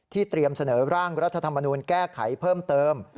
เตรียมเสนอร่างรัฐธรรมนูลแก้ไขเพิ่มเติม